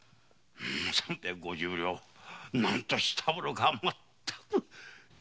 三百五十両何としたものかまったく。